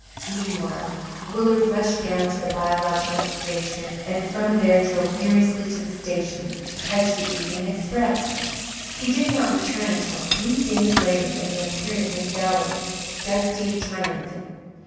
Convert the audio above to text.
Meanwhile, Willard rushed down to the biological station and from there drove furiously to the station to catch the evening express. He did not return until three days later, when he appeared at Miss Sally's, dusty and triumphant.